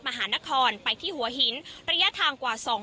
มหานครไปที่หัวหินระยะทางกว่า